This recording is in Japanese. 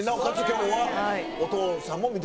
今日は。